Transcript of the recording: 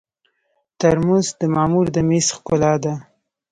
ترموز د مامور د مېز ښکلا ده.